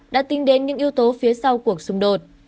đã tính đến những yếu tố phía sau cuộc xung đột